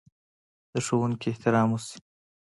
د ښوونکي احترام وشي.